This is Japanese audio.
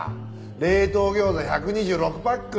冷凍餃子１２６パック。